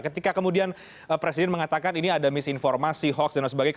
ketika kemudian presiden mengatakan ini ada misinformasi hoax dan lain sebagainya